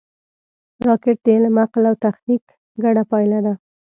راکټ د علم، عقل او تخنیک ګډه پایله ده